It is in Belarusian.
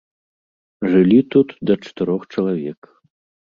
Жылі тут да чатырох чалавек.